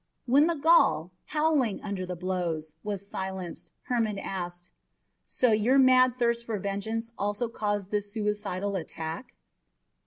When the Gaul, howling under the blows, was silenced, Hermon asked, "So your mad thirst for vengeance also caused this suicidal attack?"